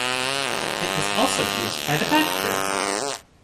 It was also used by The Bad Crew.